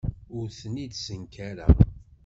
Ur ten-id-ssenkareɣ.